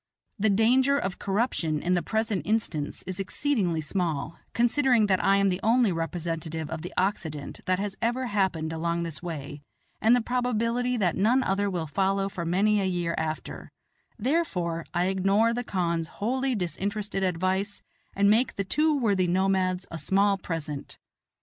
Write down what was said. The danger of corruption in the present instance is exceedingly small, considering that I am the only representative of the Occident that has ever happened along this way, and the probability that none other will follow for many a year after; therefore I ignore the khan's wholly disinterested advice and make the two worthy nomads a small present.